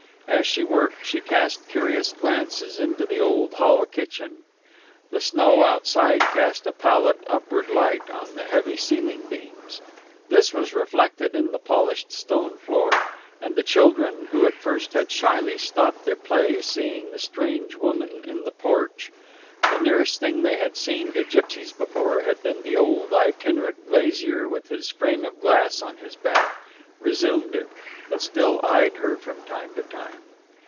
As she worked, she cast curious glances into the old hall kitchen. The snow outside cast a pallid, upward light on the heavy ceiling beams; this was reflected in the polished stone floor; and the children, who at first had shyly stopped their play, seeing the strange woman in the porch the nearest thing they had seen to gipsies before had been the old itinerant glazier with his frame of glass on his back resumed it, but still eyed her from time to time.